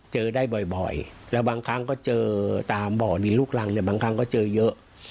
เจอได้บ่อยแล้วบางครั้งก็เจอตามบ่อดินลูกรังเนี่ยบางครั้งก็เจอเยอะ